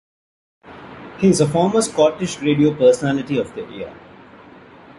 He is a former Scottish Radio Personality of the Year.